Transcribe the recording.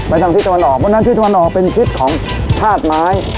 ทางทิศตะวันออกเพราะฉะนั้นทิศตะวันออกเป็นทิศของธาตุไม้